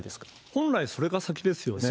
本来、それが先ですよね。